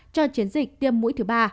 cho chiến dịch tiêm mũi thứ ba